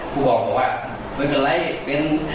ก็บอกว่าไม่เป็นไรเป็น